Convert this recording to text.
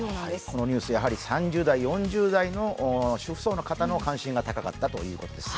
このニュース３０代、４０代の主婦層の方の関心が高かったということです。